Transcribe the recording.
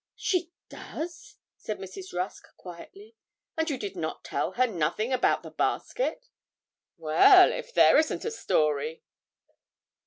'She does?' said Mrs. Rusk, quietly; 'and you did not tell her nothing about the basket? Well if there isn't a story!